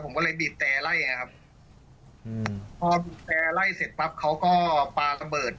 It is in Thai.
ผมก็เลยบีบแตร์ไล่อ่ะครับอืมพอบีบแตร์ไล่เสร็จปั๊บเขาก็ปาสเบิด